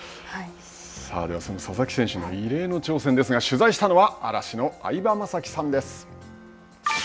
ではその佐々木選手の異例の挑戦ですが取材したのは、嵐の相葉雅紀さんです。